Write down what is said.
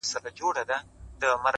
و ماته به د دې وطن د کاڼو ضرورت سي-